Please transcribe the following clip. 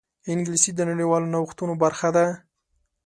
انګلیسي د نړیوالو نوښتونو برخه ده